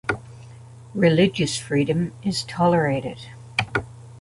Religious freedom is tolerated.